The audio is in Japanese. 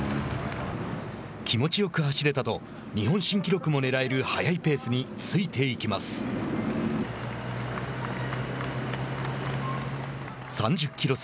気持ちよく走れたと日本新記録もねらえる速いペースについていきます。